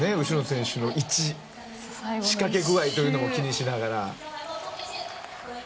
後ろの選手の位置仕掛け具合というのも気にしながら。